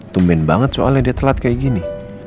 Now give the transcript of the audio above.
tumin banget soalnya dia telat kayak gini